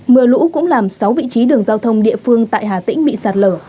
mưa lũ cũng làm sáu vị trí đường giao thông địa phương tại hà tĩnh bị sạt lở